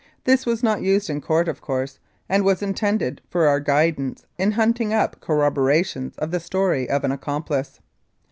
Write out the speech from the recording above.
This was not used in Court, of course, and was intended for our guidance in hunting up corroborations of the story of an accomplice.